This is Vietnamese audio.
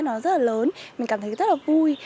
nó rất là lớn mình cảm thấy rất là vui